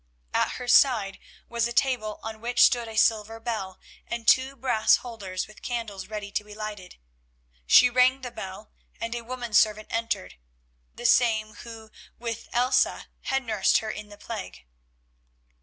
At her side was a table on which stood a silver bell and two brass holders with candles ready to be lighted. She rang the bell and a woman servant entered, the same who, with Elsa, had nursed her in the plague.